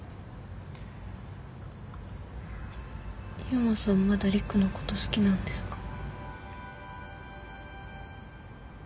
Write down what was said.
悠磨さんまだ陸のこと好きなんですか？